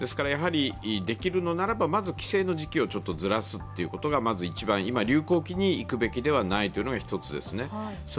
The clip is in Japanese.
できるのならば、まず帰省の時期をずらすというのがまず一番、今、流行期に行くべきではないというのが１つですね。